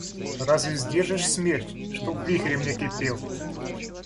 Разве сдержишь смерч, чтоб вихрем не кипел?!